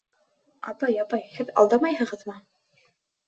— Апай, апай, һеҙ алдамайһығыҙмы?